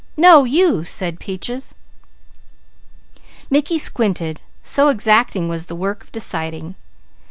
"No you!" said Peaches. Mickey squinted, so exacting was the work of deciding.